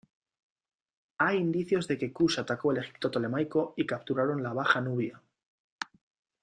Hay indicios de que Kush atacó el Egipto ptolemaico y capturaron la Baja Nubia.